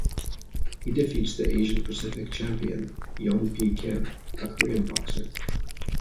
He defeats the Asian-Pacific Champion, Yongpi Kim, a Korean boxer.